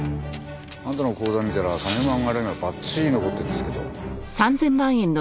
あんたの口座見たら金の流れがばっちり残ってるんですけど。